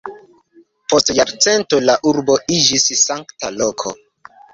Post jarcento la urbo iĝis sankta loko.